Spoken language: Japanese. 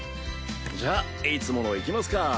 じゃあいつものいきますか。